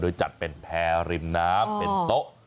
จัดเป็นแพร่ริมน้ำเป็นโต๊ะ